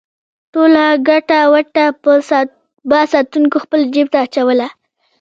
ټوله ګټه وټه به ساتونکو خپل جېب ته اچوله.